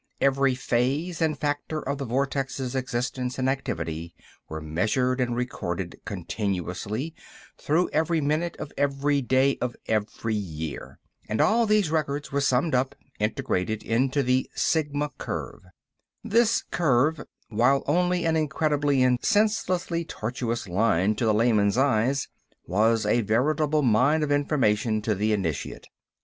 Every phase and factor of the vortex's existence and activity were measured and recorded continuously, throughout every minute of every day of every year. And all of these records were summed up, integrated, into the "Sigma" curve. This curve, while only an incredibly and senselessly tortuous line to the layman's eye, was a veritable mine of information to the initiate.